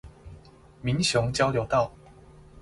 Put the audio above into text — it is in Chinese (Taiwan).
民雄交流道